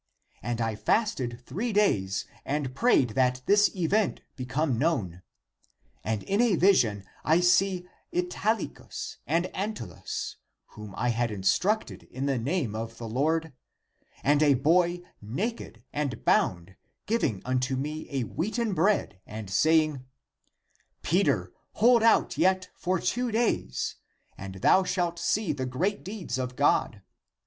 And I fasted three days and prayed that this event l^ecome known, and in a vision I see Ital icus and Antulus, whom I had instructed in the name of the Lord, and a boy naked and bound giving unto me a wheaten bread and saying, Peter hold out yet for two days, and thou shalt see the great deeds of God.